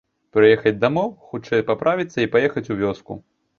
Прыехаць дамоў, хутчэй паправіцца і паехаць у вёску.